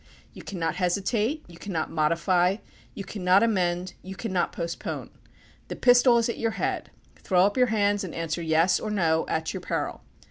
You cannot hesitate, you cannot modify, you cannot amend, you cannot postpone. The pistol is at your head; throw up your hands and answer " yes " or " no " at your peril.